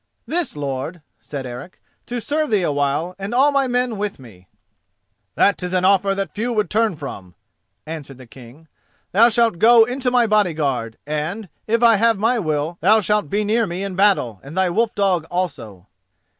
"This, lord," said Eric: "to serve thee a while, and all my men with me." "That is an offer that few would turn from," answered the King. "Thou shalt go into my body guard, and, if I have my will, thou shalt be near me in battle, and thy wolf dog also."